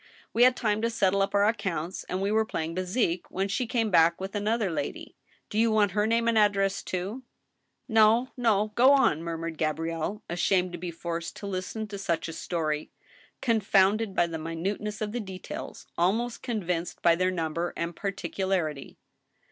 We had time to settle up our ac counts, and we were playing bhique when she came back with an other lady. ... Do you want her name and address, too ?"" No — no. Go on," murmured Gabrielle, ashamed to be forced to listen to such a story, confounded by the minuteness of the de tails, almost convinced by their number and particularity.